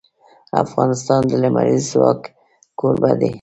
افغانستان د لمریز ځواک کوربه دی.